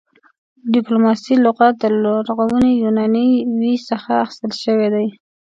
ډيپلوماسۍ لغت د لرغوني يوناني ویي څخه اخيستل شوی دی